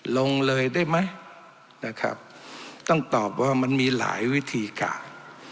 ลงเลยได้ไหมนะครับต้องตอบว่ามันมีหลายวิธีการ